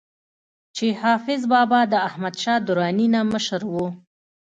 چې حافظ بابا د احمد شاه دراني نه مشر وو